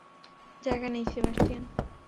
জায়গা নেই, সেবাস্টিয়ান।